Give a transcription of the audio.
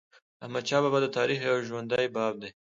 احمدشاه بابا د تاریخ یو ژوندی باب دی.